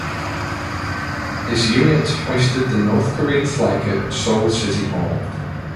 His unit hoisted the North Korean flag at Seoul City Hall.